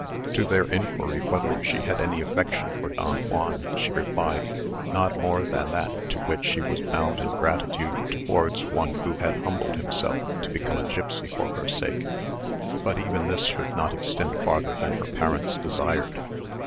To their inquiry whether she had any affection for Don Juan, she replied, not more than that to which she was bound in gratitude towards one who had humbled himself to become a gipsy for her sake; but even this should not extend farther than her parents desired.